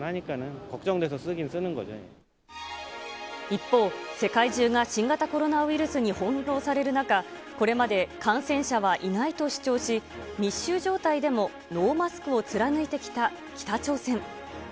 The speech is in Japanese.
一方、世界中が新型コロナウイルスに翻弄される中、これまで感染者はいないと主張し、密集状態でもノーマスクを貫いてきた北朝鮮。